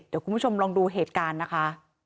เดี๋ยวคุณผู้ชมลองดูเหตุการณ์นะคะ